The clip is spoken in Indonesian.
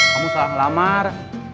kamu salah ngelamar